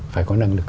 phải có năng lực